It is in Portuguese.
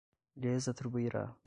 lhes atribuirá